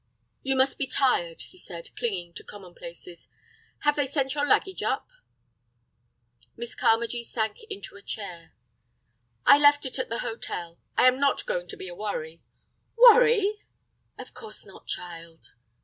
"You must be tired," he said, clinging to commonplaces. "Have they sent your luggage up?" Miss Carmagee sank into a chair. "I left it at the hotel. I'm not going to be a worry." "Worry!" "Of course not, child."